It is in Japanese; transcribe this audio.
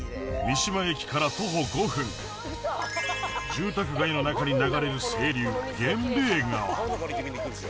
住宅街の中に流れる清流